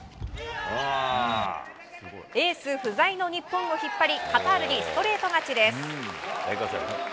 エース不在の日本を引っ張りカタールにストレート勝ちです。